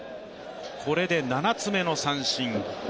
これで７つ目の三振。